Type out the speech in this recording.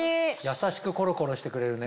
優しくコロコロしてくれるね。